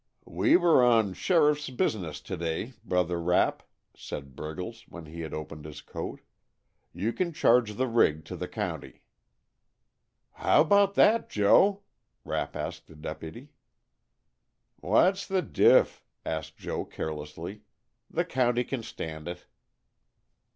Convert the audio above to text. "We were on sheriff's business to day, Brother Rapp," said Briggles, when he had opened his coat. "You can charge the rig to the county." "How about that, Joe?" Rapp asked the deputy. "What's the diff.?" asked Joe carelessly. "The county can stand it."